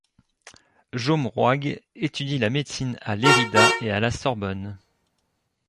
Jaume Roig étudie la médecine à Lérida et à la Sorbonne.